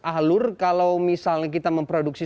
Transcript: alur kalau misalnya kita memproduksi